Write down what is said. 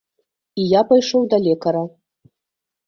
І я пайшоў да лекара.